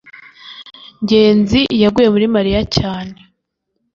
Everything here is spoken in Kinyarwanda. ngenzi yaguye muri mariya cyane